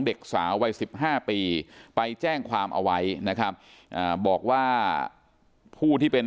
เด็กสาววัยสิบห้าปีไปแจ้งความเอาไว้นะครับบอกว่าผู้ที่เป็น